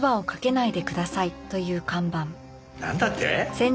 なんだって！？